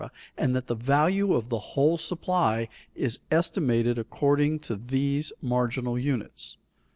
and that the value of the whole supply is estimated according to these marginal units.